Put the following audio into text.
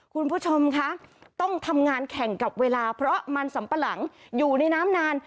คุณผู้ชมคะต้องทำงานแข่งกับเวลาเพราะมันสัมปะหลังอยู่ในน้ำนาน